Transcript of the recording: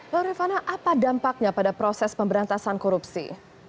lalu rifana apa dampaknya pada proses pemberantasan korupsi